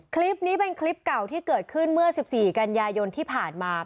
คลิปนี้เป็นคลิปเก่าที่เกิดขึ้นเมื่อ๑๔กันยายนที่ผ่านมา